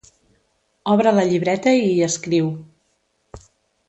Obre la llibreta i hi escriu.